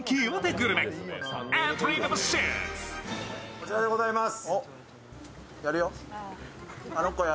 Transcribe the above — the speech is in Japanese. こちらでございます。